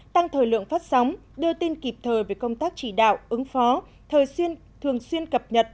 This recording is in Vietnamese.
tăng thời lượng phát sóng đưa tin kịp thời về công tác chỉ đạo ứng phó thường xuyên thường xuyên cập nhật